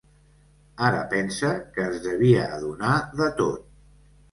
Ara pensa que es devia adonar de tot.